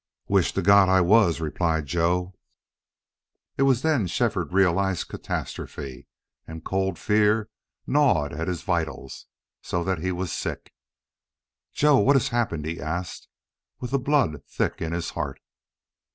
"Wish to God I was," replied Joe. It was then Shefford realized catastrophe, and cold fear gnawed at his vitals, so that he was sick. "Joe, what has happened?" he asked, with the blood thick in his heart.